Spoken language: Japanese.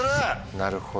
なるほど。